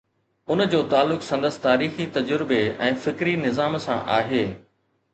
ان جو تعلق سندس تاريخي تجربي ۽ فڪري نظام سان آهي.